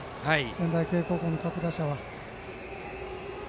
仙台育英高校の各打者は。